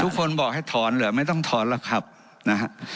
ทุกคนบอกให้ถอนเหรอไม่ต้องถอนหรอกครับนะฮะ